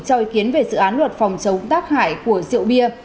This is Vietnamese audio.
cho ý kiến về dự án luật phòng chống tác hại của rượu bia